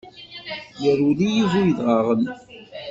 Irwel i bu yedɣaɣen.